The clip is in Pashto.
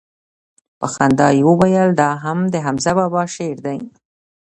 په خندا يې وويل دا هم دحمزه بابا شعر دىه.